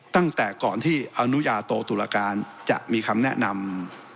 ตั้งแต่ก่อนที่อนุญาโตตุรการจะมีคำแนะนำ